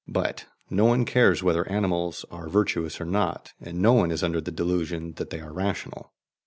But no one cares whether animals are virtuous or not, and no one is under the delusion that they are rational.